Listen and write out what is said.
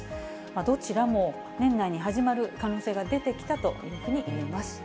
どちらも年内に始まる可能性が出てきたというふうにいえます。